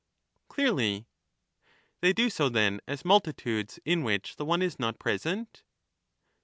93 Clearly. Par They do so then as multitudes in which the one is not ^'*^^^^' present